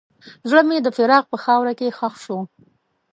زړه مې د فراق په خاوره کې ښخ شو.